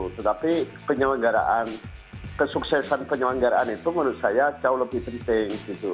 tetapi penyelenggaraan kesuksesan penyelenggaraan itu menurut saya jauh lebih penting gitu